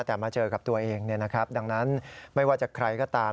แต่มาเจอกับตัวเองดังนั้นไม่ว่าจะใครก็ตาม